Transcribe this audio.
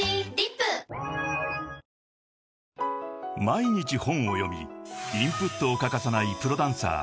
［毎日本を読みインプットを欠かさないプロダンサーＴａｒａ］